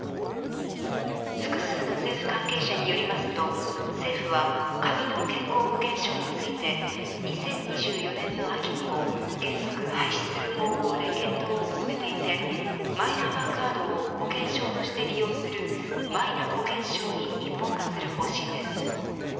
複数の政府関係者によりますと政府は紙の健康保険証について２０２４年の秋にも原則廃止する方向で検討を進めていてマイナンバーカードを保険証として利用するマイナ保険証に一本化する方針です。